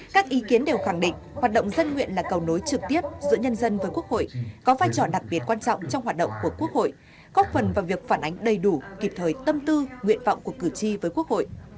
các ý kiến đều khẳng định hoạt động dân nguyện là cầu nối trực tiếp giữa nhân dân với quốc hội có vai trò đặc biệt quan trọng trong hoạt động của quốc hội góp phần vào việc phản ánh đầy đủ kịp thời tâm tư nguyện vọng của cử tri với quốc hội